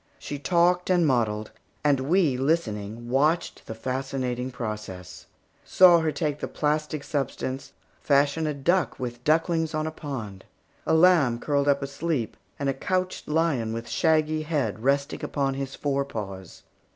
She talked and modelled, and we listening watched the fascinating process; saw her take the plastic substance, fashion a duck with ducklings on a pond, a lamb curled up asleep, and a couched lion with shaggy head resting upon his fore paws.